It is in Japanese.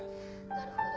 「なるほど。